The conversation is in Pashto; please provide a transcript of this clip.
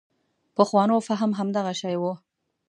پخوانو فهم همدغه شی و.